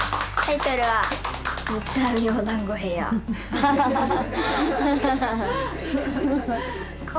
ハハハハ！